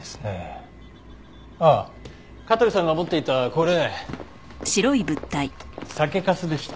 ああ香取さんが持っていたこれ酒粕でした。